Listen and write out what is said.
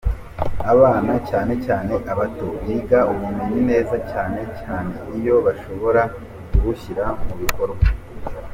Abana, cyane cyane abato, biga ubumenyi neza cyane cyane iyo bashobora kubushyira mu bikorwa.